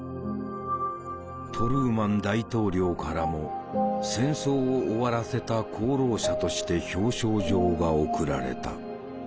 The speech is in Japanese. トルーマン大統領からも戦争を終わらせた功労者として表彰状が送られた。